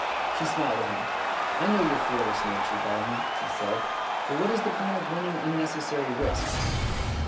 She smiled at him. "I know your fearless nature, darling," she said; "but what is the point of running unnecessary risks?"